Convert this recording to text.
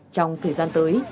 trong thời gian tới